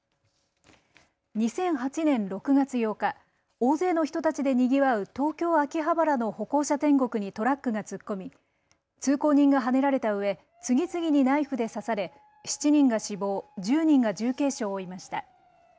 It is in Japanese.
２００８年６月８日、大勢の人たちでにぎわう東京・秋葉原の歩行者天国にトラックが突っ込み通行人がはねられたうえ次々にナイフで刺され７人が死亡、１０人が重軽傷を負いました。